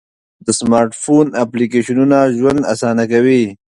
د سمارټ فون اپلیکیشنونه ژوند آسانه کوي.